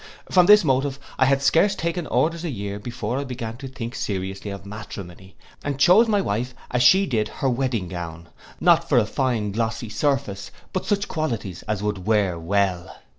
From this motive, I had scarce taken orders a year before I began to think seriously of matrimony, and chose my wife as she did her wedding gown, not for a fine glossy surface, but such qualities as would wear well.